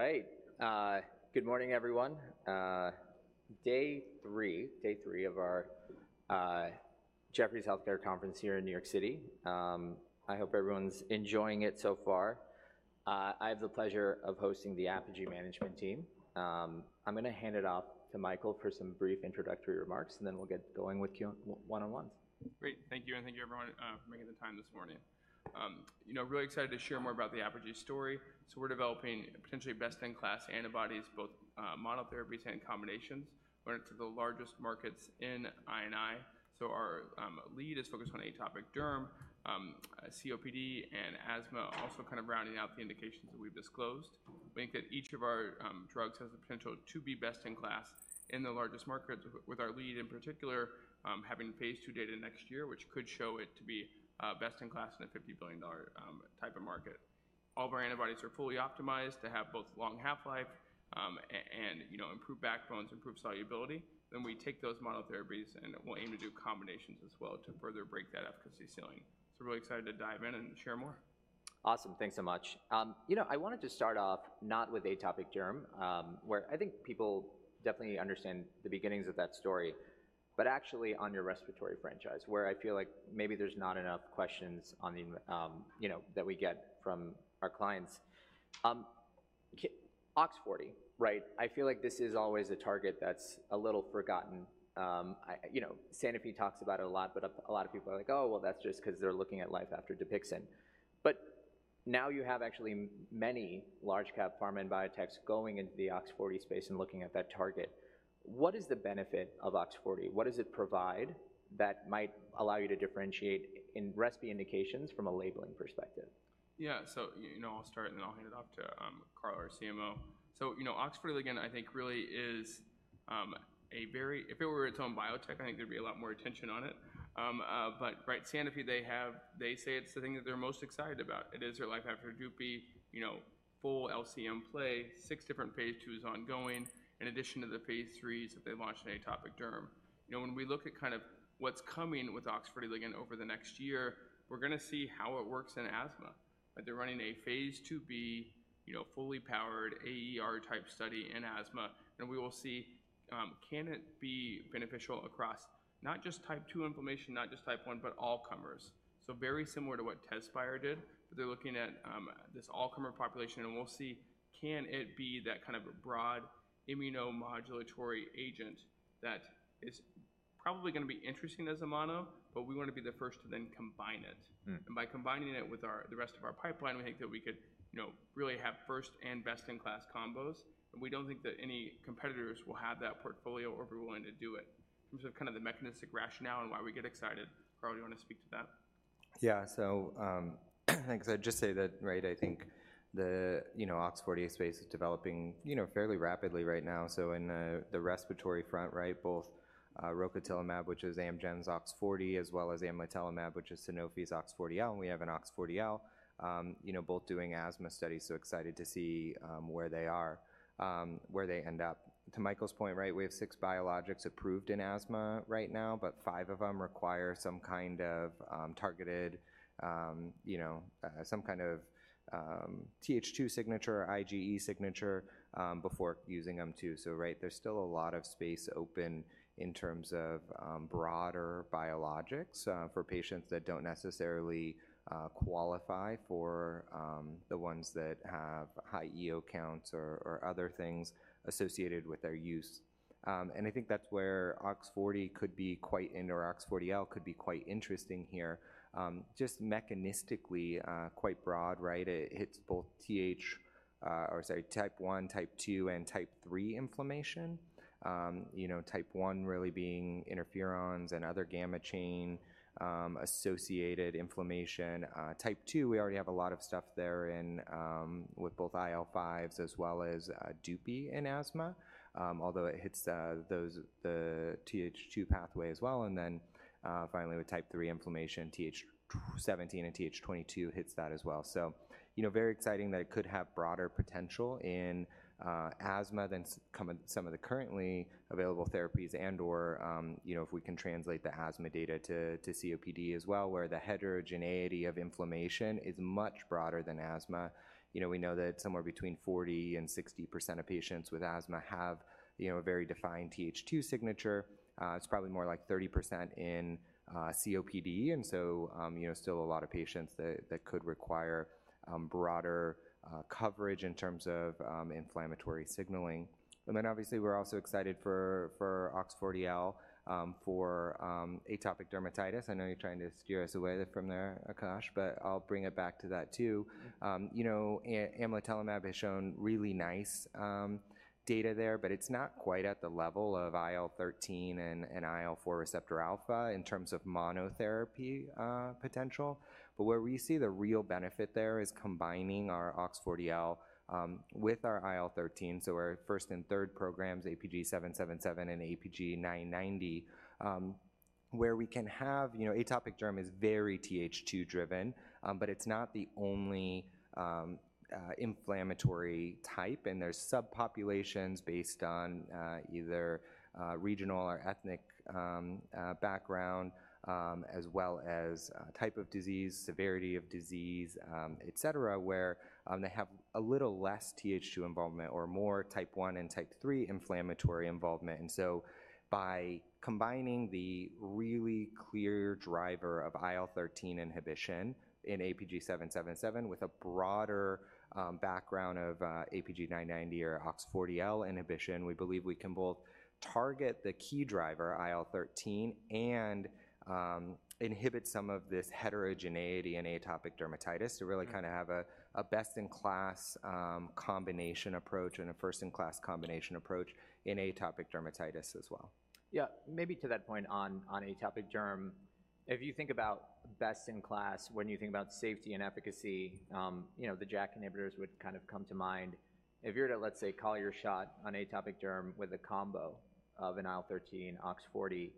All right. Good morning, everyone. Day three, day three of our Jefferies Healthcare Conference here in New York City. I hope everyone's enjoying it so far. I have the pleasure of hosting the Apogee Management team. I'm gonna hand it off to Michael for some brief introductory remarks, and then we'll get going with one-on-ones. Great. Thank you, and thank you, everyone, for making the time this morning. You know, really excited to share more about the Apogee story. So we're developing potentially best-in-class antibodies, both monotherapies and combinations, leading to the largest markets in I&I. So our lead is focused on atopic derm, COPD, and asthma, also kind of rounding out the indications that we've disclosed. We think that each of our drugs has the potential to be best in class in the largest markets, with our lead in particular, having Phase II data next year, which could show it to be best in class in a $50 billion type of market. All of our antibodies are fully optimized to have both long half-life and, you know, improved backbones, improved solubility. Then we take those monotherapies, and we'll aim to do combinations as well to further break that efficacy ceiling. So really excited to dive in and share more. Awesome. Thanks so much. You know, I wanted to start off not with atopic derm, where I think people definitely understand the beginnings of that story, but actually on your respiratory franchise, where I feel like maybe there's not enough questions on the, you know, that we get from our clients. OX40, right? I feel like this is always a target that's a little forgotten. You know, Sanofi talks about it a lot, but a lot of people are like, "Oh, well, that's just 'cause they're looking at life after Dupixent." But now you have actually many large cap pharma and biotechs going into the OX40 space and looking at that target. What is the benefit of OX40? What does it provide that might allow you to differentiate in respi indications from a labeling perspective? Yeah. So, you know, I'll start, and then I'll hand it off to, Carl, our CMO. So, you know, OX40 ligand, I think, really is, a very, if it were its own biotech, I think there'd be a lot more attention on it. But right, Sanofi, they have, they say it's the thing that they're most excited about. It is their life after Dupixent, you know, full LCM play, six different phase IIs ongoing, in addition to the phase IIIs that they launched in atopic derm. You know, when we look at kind of what's coming with OX40 ligand over the next year, we're gonna see how it works in asthma. They're running a phase IIb, you know, fully powered AER-type study in asthma, and we will see, can it be beneficial across not just Type II inflammation, not just Type I, but all comers? So very similar to what TEZSPIRE did, but they're looking at this all-comer population, and we'll see, can it be that kind of a broad immunomodulatory agent that is probably gonna be interesting as a mono, but we wanna be the first to then combine it. Mm. By combining it with our... the rest of our pipeline, we think that we could, you know, really have first- and best-in-class combos, and we don't think that any competitors will have that portfolio or be willing to do it. In terms of kind of the mechanistic rationale and why we get excited, Carl, you wanna speak to that? Yeah, so, I'd just say that, right, I think the, you know, OX40 space is developing, you know, fairly rapidly right now. So in, the respiratory front, right, both, rocatinlimab, which is Amgen's OX40, as well as amlitelimab, which is Sanofi's OX40L, and we have an OX40L, you know, both doing asthma studies, so excited to see, where they are, where they end up. To Michael's point, right, we have six biologics approved in asthma right now, but five of them require some kind of, targeted, you know, some kind of, Th2 signature or IgE signature, before using them, too. So right, there's still a lot of space open in terms of, broader biologics, for patients that don't necessarily, qualify for, the ones that have high EO counts or other things associated with their use. I think that's where OX40 could be quite, and/or OX40L could be quite interesting here. Just mechanistically, quite broad, right? It hits both Th, or sorry, Type I, Type II, and Type III inflammation. You know, Type I really being interferons and other gamma chain, associated inflammation. Type II, we already have a lot of stuff there in, with both IL-5s as well as, Dupixent in asthma, although it hits, the Th2 pathway as well. And then, finally, with Type III inflammation, Th17 and Th22 hits that as well. So, you know, very exciting that it could have broader potential in asthma than some of the currently available therapies and/or, you know, if we can translate the asthma data to COPD as well, where the heterogeneity of inflammation is much broader than asthma. You know, we know that somewhere between 40%-60% of patients with asthma have a very defined Th2 signature. It's probably more like 30% in COPD, and so, you know, still a lot of patients that could require broader coverage in terms of inflammatory signaling. And then, obviously, we're also excited for OX40L for atopic dermatitis. I know you're trying to steer us away from there, Akash, but I'll bring it back to that too. You know, amlitelimab has shown really nice data there, but it's not quite at the level of IL-13 and IL-4 receptor alpha in terms of monotherapy potential. But where we see the real benefit there is combining our OX40L with our IL-13, so our first and third programs, APG-777 and APG-990, where we can have, you know, atopic derm is very Th2 driven, but it's not the only inflammatory type, and there's subpopulations based on either regional or ethnic background, as well as type of disease, severity of disease, etc., where they have a little less Th2 involvement or more type I and type III inflammatory involvement. And so by combining the really clear driver of IL-13 inhibition in APG-777 with a broader background of APG-990 or OX40L inhibition, we believe we can both target the key driver, IL-13, and inhibit some of this heterogeneity in atopic dermatitis. Mm-hmm. -to really kind of have a best-in-class combination approach and a first-in-class combination approach in atopic dermatitis as well. Yeah, maybe to that point on, on atopic derm, if you think about best in class, when you think about safety and efficacy, you know, the JAK inhibitors would kind of come to mind. If you were to, let's say, call your shot on atopic derm with a combo of an IL-13 OX40,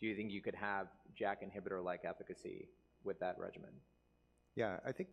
do you think you could have JAK inhibitor-like efficacy with that regimen? Yeah, I think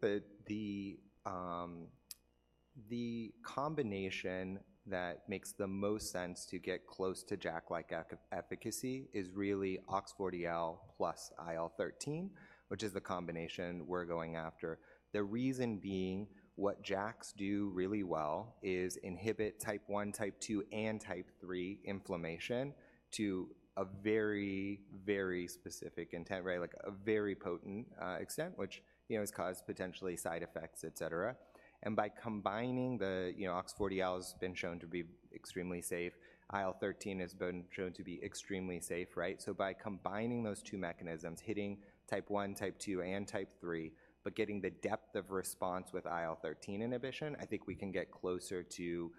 the combination that makes the most sense to get close to JAK-like efficacy is really OX40L plus IL-13, which is the combination we're going after. The reason being, what JAKs do really well is inhibit Type 1, Type 2, and Type 3 inflammation to a very, very specific intent, right? Like, a very potent extent, which, you know, has caused potentially side effects, etc. And by combining the... You know, OX40L has been shown to be extremely safe. IL-13 has been shown to be extremely safe, right? So by combining those two mechanisms, hitting Type 1, Type 2, and Type 3, but getting the depth of response with IL-13 inhibition, I think we can get closer to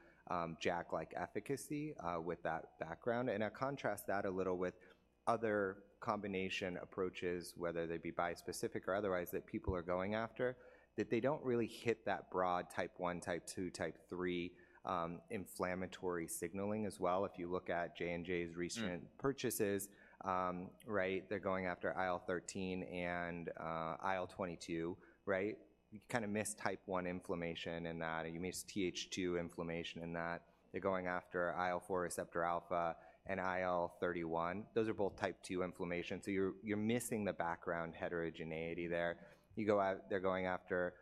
JAK-like efficacy with that background. I contrast that a little with other combination approaches, whether they be bispecific or otherwise, that people are going after, that they don't really hit that broad type I, type II, type III, inflammatory signaling as well. If you look at J&J's recent- Mm. -purchases, right, they're going after IL-13 and IL-22, right? You kind of miss Type 1 inflammation in that, and you miss Th2 inflammation in that. They're going after IL-4 receptor alpha and IL-31. Those are both Type 2 inflammation, so you're missing the background heterogeneity there. They're going after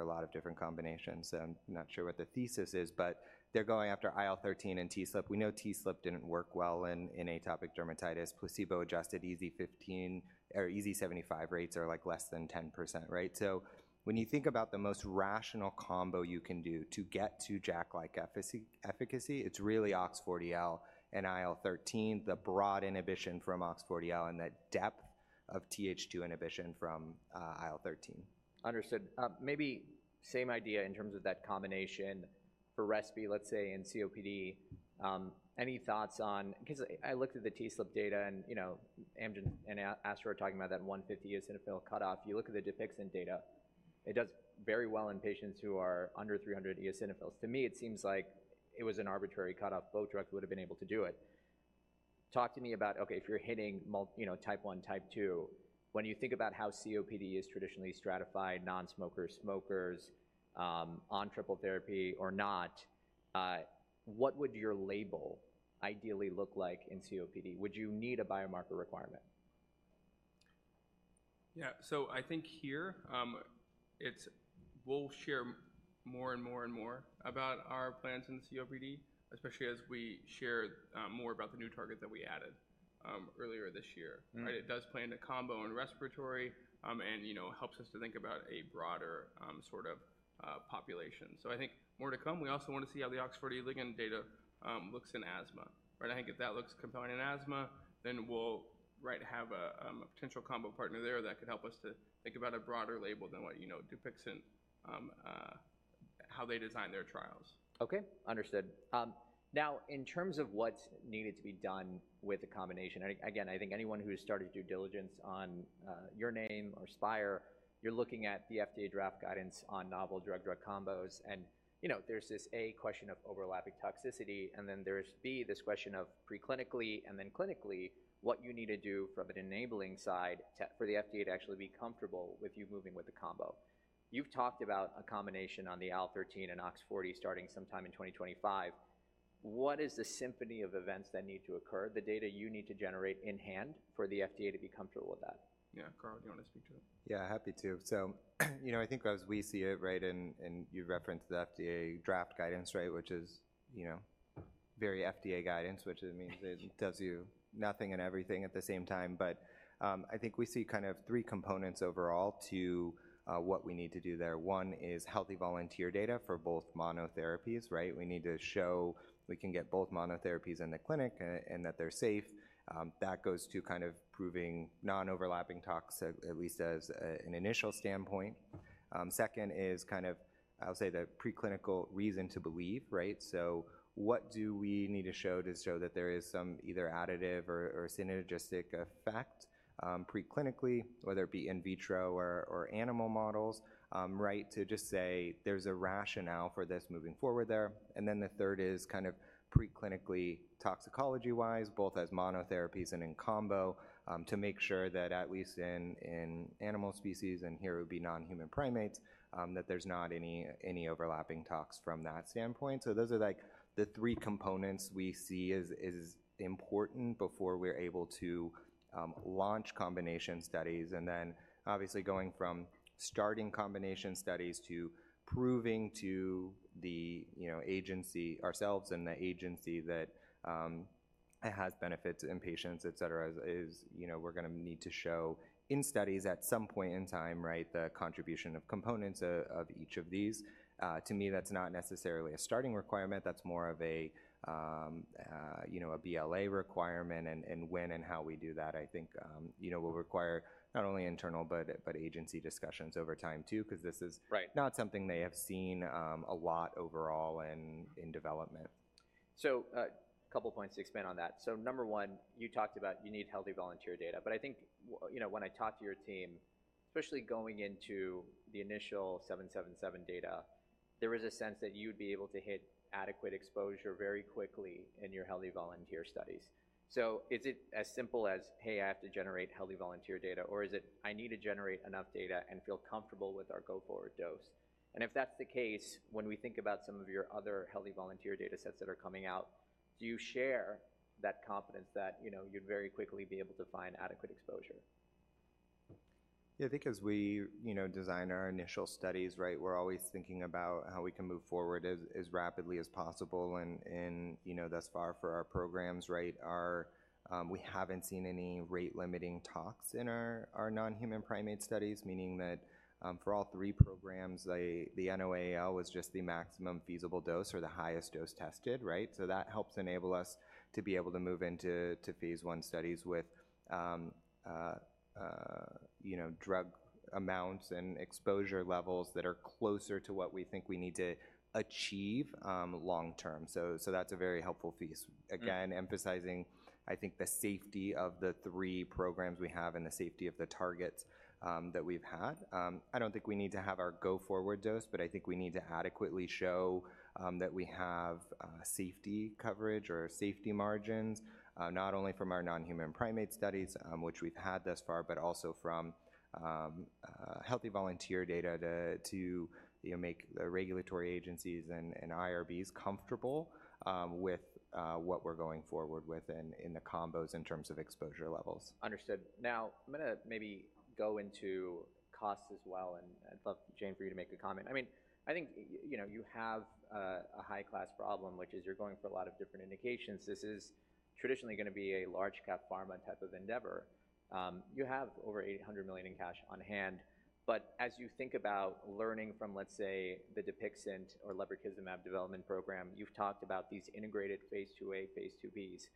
a lot of different combinations, and I'm not sure what the thesis is, but they're going after IL-13 and TSLP. We know TSLP didn't work well in atopic dermatitis. Placebo-adjusted EASI-15 or EASI-75 rates are, like, less than 10%, right? So when you think about the most rational combo you can do to get to JAK-like efficacy, it's really OX40L and IL-13, the broad inhibition from OX40L and the depth of Th2 inhibition from IL-13. Understood. Maybe same idea in terms of that combination for respi, let's say, in COPD. Any thoughts on— Because I looked at the TSLP data, and, you know, Amgen and AstraZeneca are talking about that 150 eosinophil cutoff. You look at the Dupixent data, it does very well in patients who are under 300 eosinophils. To me, it seems like it was an arbitrary cutoff. Both drugs would have been able to do it. Talk to me about, okay, if you're hitting multiple, you know, type one, type two, when you think about how COPD is traditionally stratified, non-smokers, smokers, on triple therapy or not, what would your label ideally look like in COPD? Would you need a biomarker requirement? Yeah. So I think here, it's we'll share more and more and more about our plans in COPD, especially as we share more about the new target that we added earlier this year. Mm. Right, it does play into combo and respiratory, and, you know, helps us to think about a broader, sort of, population. So I think more to come. We also want to see how the OX40 ligand data looks in asthma, right? I think if that looks compelling in asthma, then we'll, right, have a, a potential combo partner there that could help us to think about a broader label than what, you know, Dupixent, how they design their trials. Okay, understood. Now, in terms of what's needed to be done with the combination, again, I think anyone who's started due diligence on your name or Spyre, you're looking at the FDA draft guidance on novel drug-drug combos. And, you know, there's this A, question of overlapping toxicity, and then there's B, this question of preclinically and then clinically, what you need to do from an enabling side to for the FDA to actually be comfortable with you moving with the combo. You've talked about a combination on the IL-13 and OX40 starting sometime in 2025. What is the symphony of events that need to occur, the data you need to generate in hand for the FDA to be comfortable with that? Yeah. Carl, do you want to speak to that? Yeah, happy to. So, you know, I think as we see it, right, and you referenced the FDA draft guidance, right? Which is, you know, very FDA guidance, which means it tells you nothing and everything at the same time. But, I think we see kind of three components overall to what we need to do there. One is healthy volunteer data for both monotherapies, right? We need to show we can get both monotherapies in the clinic and that they're safe. That goes to kind of proving non-overlapping tox, at least as an initial standpoint. Second is kind of, I'll say, the preclinical reason to believe, right? So what do we need to show to show that there is some either additive or, or synergistic effect, preclinically, whether it be in vitro or, or animal models, right, to just say there's a rationale for this moving forward there. And then the third is kind of preclinically toxicology-wise, both as monotherapies and in combo, to make sure that at least in, in animal species, and here it would be non-human primates, that there's not any, any overlapping tox from that standpoint. So those are, like, the three components we see as as important before we're able to launch combination studies, and then obviously going from starting combination studies to proving to the, you know, agency, ourselves and the agency that it has benefits in patients, et cetera, is, you know, we're gonna need to show in studies at some point in time, right, the contribution of components of each of these. To me, that's not necessarily a starting requirement. That's more of a, you know, a BLA requirement, and when and how we do that, I think, you know, will require not only internal, but agency discussions over time too, 'cause this is- Right. - not something they have seen, a lot overall in development. So, a couple points to expand on that. So number one, you talked about you need healthy volunteer data, but I think, you know, when I talked to your team, especially going into the initial 777 data, there was a sense that you'd be able to hit adequate exposure very quickly in your healthy volunteer studies. So is it as simple as, "Hey, I have to generate healthy volunteer data," or is it, "I need to generate enough data and feel comfortable with our go-forward dose?" And if that's the case, when we think about some of your other healthy volunteer data sets that are coming out, do you share that confidence that, you know, you'd very quickly be able to find adequate exposure? Yeah, I think as we, you know, design our initial studies, right, we're always thinking about how we can move forward as, as rapidly as possible. And, and, you know, thus far for our programs, right, our... We haven't seen any rate-limiting tox in our, our non-human primate studies, meaning that, for all three programs, the, the NOAEL was just the maximum feasible dose or the highest dose tested, right? So that helps enable us to be able to move into, to phase I studies with, you know, drug amounts and exposure levels that are closer to what we think we need to achieve, long term. So, so that's a very helpful phase. Mm. Again, emphasizing, I think, the safety of the three programs we have and the safety of the targets that we've had. I don't think we need to have our go-forward dose, but I think we need to adequately show that we have safety coverage or safety margins, not only from our non-human primate studies, which we've had thus far, but also from healthy volunteer data to, you know, make the regulatory agencies and IRBs comfortable with what we're going forward with in the combos in terms of exposure levels. Understood. Now, I'm gonna maybe go into costs as well, and I'd love, Jane, for you to make a comment. I mean, I think, you know, you have a high-class problem, which is you're going for a lot of different indications. This is traditionally gonna be a large cap pharma type of endeavor. You have over $800 million in cash on hand, but as you think about learning from, let's say, the Dupixent or lebrikizumab development program, you've talked about these integrated phase IIa, phase IIb's.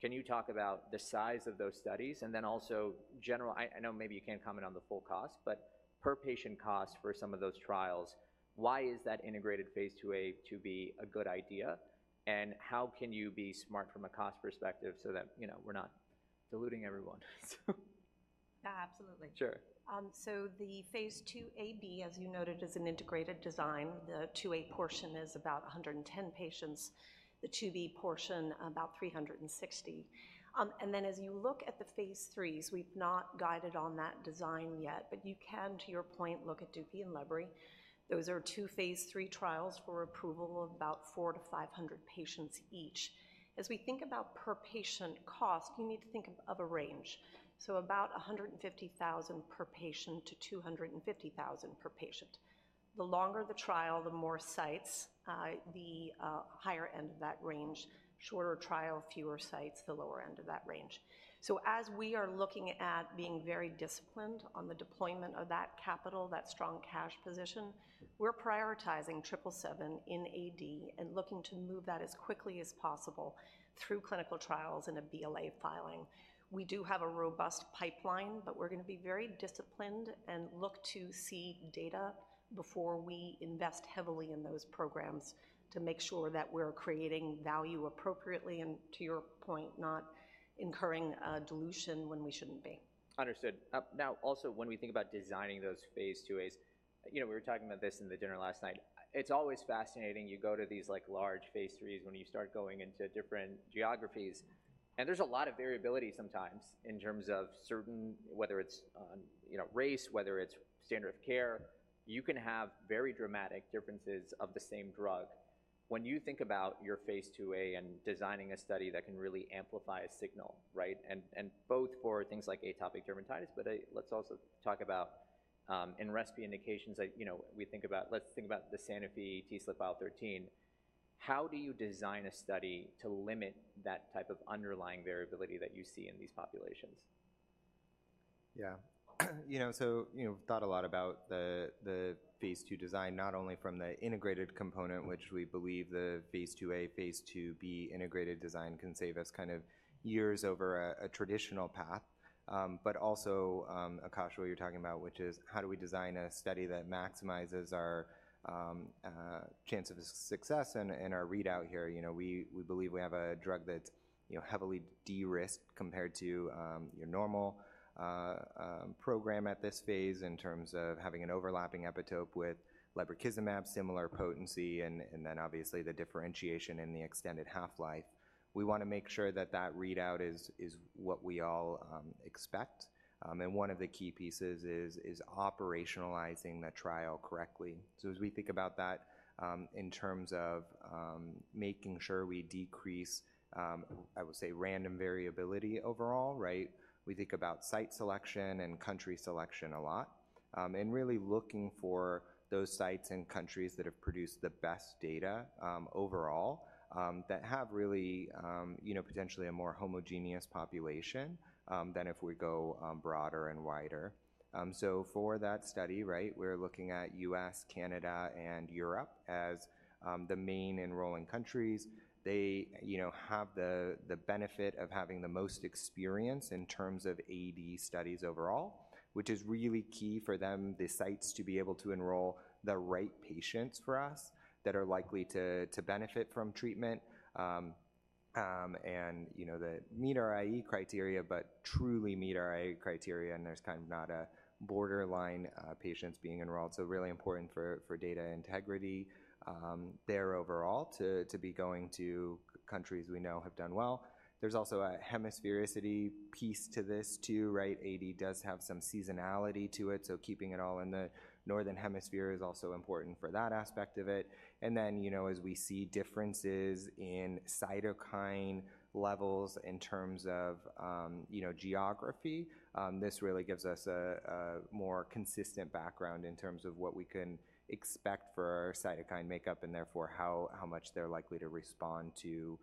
Can you talk about the size of those studies, and then also general, I know maybe you can't comment on the full cost, but per patient cost for some of those trials, why is that integrated phase II-a to be a good idea? How can you be smart from a cost perspective so that, you know, we're not diluting everyone? Yeah, absolutely. Sure. So the phase II-a/b, as you noted, is an integrated design. The II-a portion is about 110 patients, the IIb portion about 360. And then as you look at the phase IIIs, we've not guided on that design yet, but you can, to your point, look at DUPI and LEBRY. Those are two phase III trials for approval of about 400-500 patients each. As we think about per patient cost, you need to think of a range, so about $150,000-$250,000 per patient. The longer the trial, the more sites, the higher end of that range. Shorter trial, fewer sites, the lower end of that range. So as we are looking at being very disciplined on the deployment of that capital, that strong cash position, we're prioritizing triple seven in AD and looking to move that as quickly as possible through clinical trials and a BLA filing. We do have a robust pipeline, but we're gonna be very disciplined and look to see data before we invest heavily in those programs to make sure that we're creating value appropriately and, to your point, not incurring dilution when we shouldn't be. Understood. Now, also, when we think about designing those phase II-as, you know, we were talking about this in the dinner last night. It's always fascinating. You go to these, like, large phase IIIs when you start going into different geographies, and there's a lot of variability sometimes in terms of certain... whether it's, you know, race, whether it's standard of care, you can have very dramatic differences of the same drug. When you think about your phase II-a and designing a study that can really amplify a signal, right? And both for things like atopic dermatitis, but let's also talk about in resp indications, like, you know, we think about - let's think about the Sanofi TSLP IL-13. How do you design a study to limit that type of underlying variability that you see in these populations? Yeah. You know, so, you know, thought a lot about the phase III design, not only from the integrated component, which we believe the phase II-a, phase II-b integrated design can save us kind of years over a traditional path. But also, Akash, what you're talking about, which is: how do we design a study that maximizes our chance of success and our readout here? You know, we believe we have a drug that's, you know, heavily de-risked compared to your normal program at this phase in terms of having an overlapping epitope with lebrikizumab, similar potency, and then obviously the differentiation in the extended half-life. We wanna make sure that that readout is what we all expect. And one of the key pieces is operationalizing the trial correctly. As we think about that, in terms of making sure we decrease, I would say, random variability overall, right? We think about site selection and country selection a lot, and really looking for those sites and countries that have produced the best data overall that have really, you know, potentially a more homogeneous population than if we go broader and wider. So for that study, right, we're looking at U.S., Canada, and Europe as the main enrolling countries. They, you know, have the benefit of having the most experience in terms of AD studies overall, which is really key for them, the sites, to be able to enroll the right patients for us that are likely to benefit from treatment, and, you know, that meet our IE criteria, but truly meet our IE criteria, and there's kind of not a borderline patients being enrolled. So really important for data integrity there overall to be going to countries we know have done well. There's also a hemisphere piece to this, too, right? AD does have some seasonality to it, so keeping it all in the northern hemisphere is also important for that aspect of it. And then, you know, as we see differences in cytokine levels in terms of, you know, geography, this really gives us a more consistent background in terms of what we can expect for our cytokine makeup and, therefore, how much they're likely to respond to,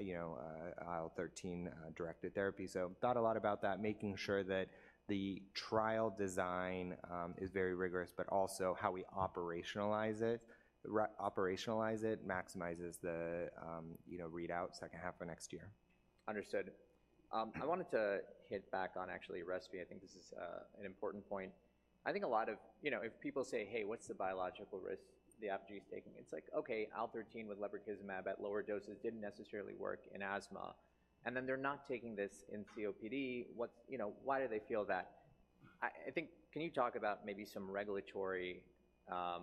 you know, IL-13 directed therapy. So thought a lot about that, making sure that the trial design is very rigorous, but also how we operationalize it maximizes the, you know, readout second half of next year. Understood. I wanted to hit back on actually respiratory. I think this is an important point. I think a lot of... You know, if people say, "Hey, what's the biological risk Apogee is taking?" It's like, okay, IL-13 with lebrikizumab at lower doses didn't necessarily work in asthma, and then they're not taking this in COPD. What's-- you know, why do they feel that? I think... Can you talk about maybe some regulatory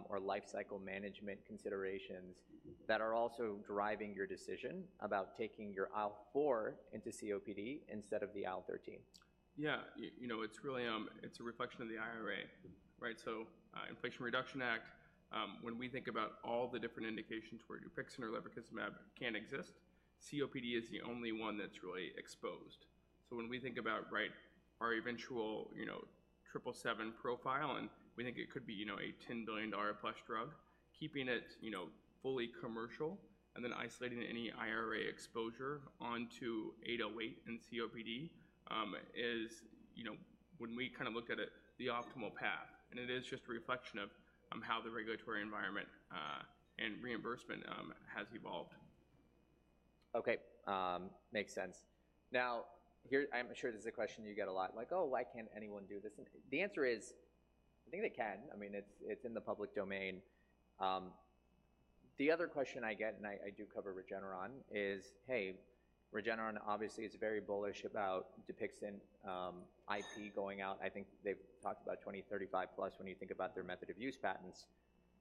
or life cycle management considerations that are also driving your decision about taking your IL-4 into COPD instead of the IL-13? Yeah. You know, it's really, it's a reflection of the IRA, right? So, Inflation Reduction Act, when we think about all the different indications where Dupixent or lebrikizumab can exist, COPD is the only one that's really exposed. So when we think about, right, our eventual, you know, triple seven profile, and we think it could be, you know, a $10 billion+ drug, keeping it, you know, fully commercial and then isolating any IRA exposure onto 808 and COPD, is, you know, when we kinda looked at it, the optimal path. And it is just a reflection of, how the regulatory environment, and reimbursement, has evolved. Okay, makes sense. Now, here, I'm sure this is a question you get a lot, like: "Oh, why can't anyone do this?" The answer is, I think they can. I mean, it's, it's in the public domain. The other question I get, and I, I do cover Regeneron, is, Hey, Regeneron obviously is very bullish about Dupixent, IP going out. I think they've talked about 2035+ when you think about their method of use patents.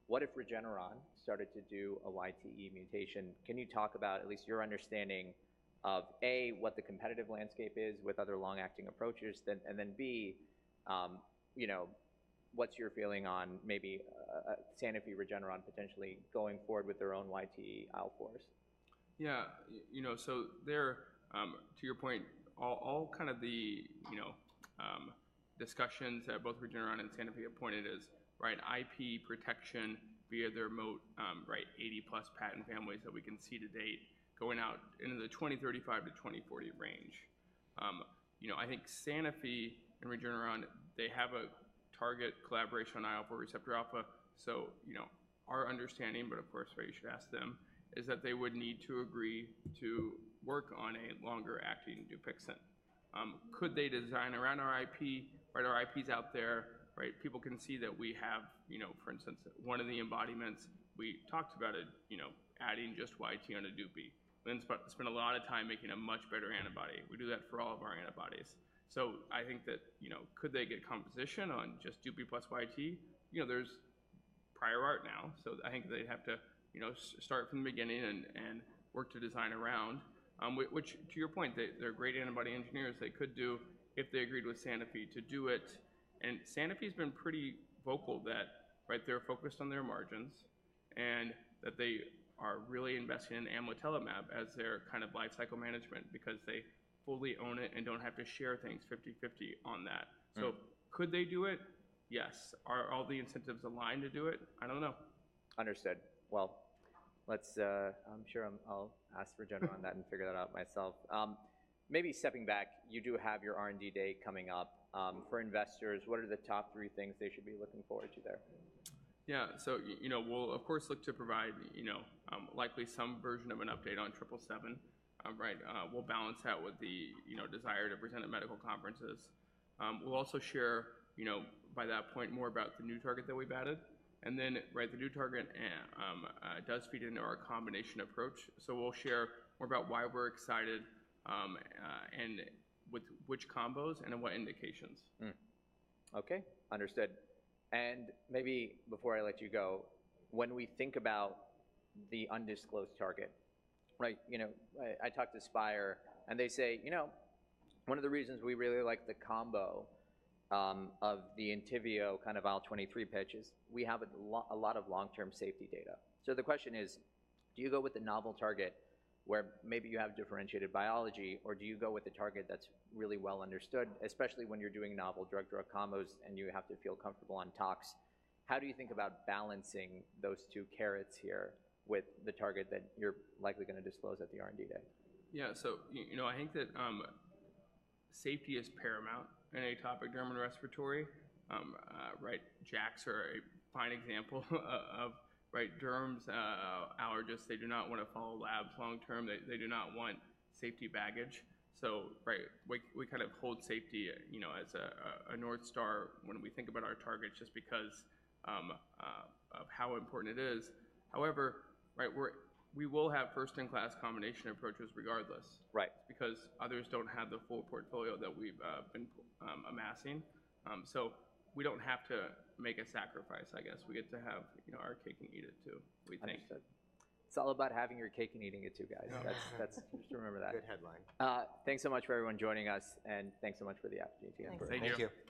What if Regeneron started to do a YTE mutation? Can you talk about at least your understanding of, A, what the competitive landscape is with other long-acting approaches then, and then, B, you know, what's your feeling on maybe, Sanofi Regeneron potentially going forward with their own YTE IL-4s? Yeah. You know, so there, to your point, all kind of the, you know, discussions that both Regeneron and Sanofi have pointed is, right, IP protection via the roadmap, right, 80-plus patent families that we can see to date going out into the 2035-2040 range. You know, I think Sanofi and Regeneron, they have a tactical collaboration on IL-4 receptor alpha, so, you know, our understanding, but of course, you should ask them, is that they would need to agree to work on a longer-acting Dupixent. Could they design around our IP? Right, our IP's out there, right? People can see that we have, you know, for instance, one of the embodiments, we talked about it, you know, adding just YTE on a Dupi, then spent a lot of time making a much better antibody. We do that for all of our antibodies. So I think that, you know, could they get composition on just Dupi plus YT? You know, there's prior art now, so I think they'd have to, you know, start from the beginning and work to design around. Which, to your point, they, they're great antibody engineers. They could do if they agreed with Sanofi to do it, and Sanofi's been pretty vocal that, right, they're focused on their margins and that they are really investing in amlitelimab as their kind of life cycle management because they fully own it and don't have to share things 50/50 on that. So... Could they do it? Yes. Are all the incentives aligned to do it? I don't know. Understood. Well, let's, I'm sure I'll ask for Jennifer on that and figure that out myself. Maybe stepping back, you do have your R&D Day coming up. For investors, what are the top three things they should be looking forward to there? Yeah. So you know, we'll of course look to provide, you know, likely some version of an update on triple seven. Right, we'll balance that with the, you know, desire to present at medical conferences. We'll also share, you know, by that point, more about the new target that we've added. And then, right, the new target does feed into our combination approach. So we'll share more about why we're excited, and with which combos and in what indications. Okay, understood. Maybe before I let you go, when we think about the undisclosed target, right, you know, I talked to Spyre, and they say, "You know, one of the reasons we really like the combo of the Entyvio kind of IL-23 pitches, we have a lot of long-term safety data." So the question is, do you go with the novel target, where maybe you have differentiated biology, or do you go with the target that's really well understood, especially when you're doing novel drug-drug combos and you have to feel comfortable on tox? How do you think about balancing those two carrots here with the target that you're likely gonna disclose at the R&D Day? Yeah. So, you know, I think that safety is paramount in atopic dermatitis and respiratory. Right, JAKs are a fine example of derms, allergists, they do not want to follow labs long term. They do not want safety baggage. So, we kind of hold safety, you know, as a North Star when we think about our targets just because of how important it is. However, we will have first-in-class combination approaches regardless- Right... because others don't have the full portfolio that we've been amassing. So we don't have to make a sacrifice, I guess. We get to have, you know, our cake and eat it, too, we think. Understood. It's all about having your cake and eating it too, guys. That's, that's... Just remember that. Good headline. Thanks so much for everyone joining us, and thanks so much for the opportunity. Thanks. Thank you.